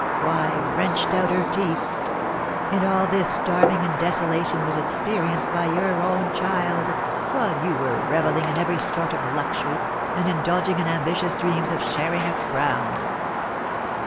Why, wrenched out her teeth! And all this starving and desolation was experienced by your own child, while you were revelling in every sort of luxury, and indulging in ambitious dreams of sharing a crown!"